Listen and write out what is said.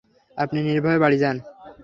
আপনি নির্ভয়ে বাড়ি যান।